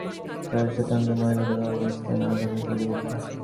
তারা শেতাঙ্গ মহিলাদের গর্ভাবস্থায় নানা ধরনের সাহায্য করত।